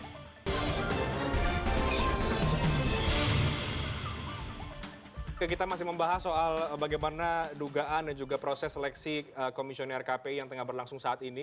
oke kita masih membahas soal bagaimana dugaan dan juga proses seleksi komisioner kpi yang tengah berlangsung saat ini